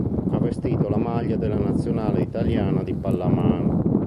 Ha vestito la maglia della nazionale italiana di pallamano.